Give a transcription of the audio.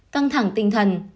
tăng thẳng tinh thần